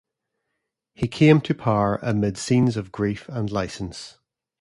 He came to power amid scenes of grief and licence.